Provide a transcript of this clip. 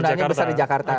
penggunanya besar di jakarta